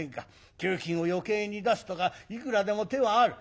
給金を余計に出すとかいくらでも手はある」。